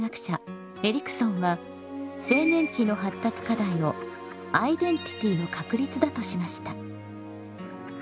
エリクソンは青年期の発達課題をアイデンティティの確立だとしました。